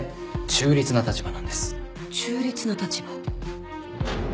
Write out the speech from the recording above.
中立な立場。